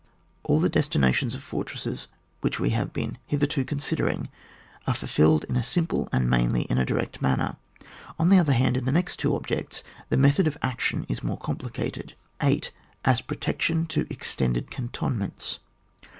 All the destinations of fortresses which we have been hitherto considering are fulfilled in a simple and mainly in a direct manner. On the other hand, in the next two objects the method of action is more complicated. S, As a protection to extended canton ments.